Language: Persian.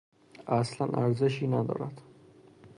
اصلا ارزشی ندارد.